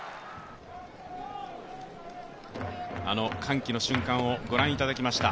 あの歓喜の瞬間をご覧いただきました。